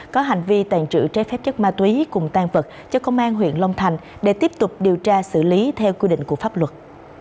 có hành vi tàn trữ trái phép chất ma túy cùng tan vật cho công an huyện long thành để tiếp tục điều tra xử lý theo quy định của pháp luật